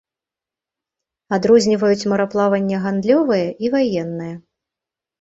Адрозніваюць мараплаванне гандлёвае і ваеннае.